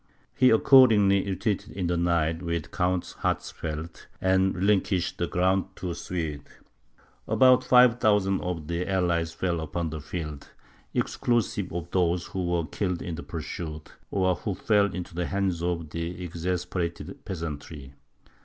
He accordingly retreated in the night, with Count Hatzfeld, and relinquished the ground to the Swedes. About 5000 of the allies fell upon the field, exclusive of those who were killed in the pursuit, or who fell into the hands of the exasperated peasantry.